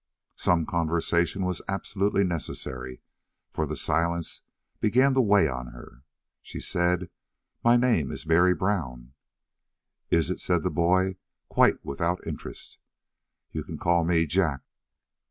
Some conversation was absolutely necessary, for the silence began to weigh on her. She said: "My name is Mary Brown." "Is it?" said the boy, quite without interest. "You can call me Jack."